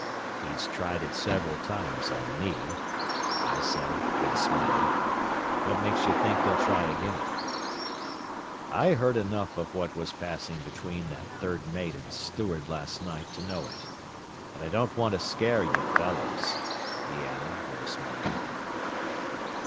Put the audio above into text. "He's tried it several times on me," I said, with a smile. "What makes you think he'll try again?" "I heard enough of what was passing between that third mate and steward last night to know it. But I don't want to scare you fellows," he added, with a smile.